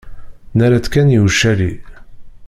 Nerra-tt kan i ucali.